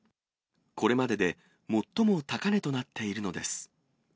これまでで最も高値となっているのです。